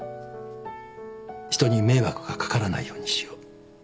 人に迷惑が掛からないようにしよう。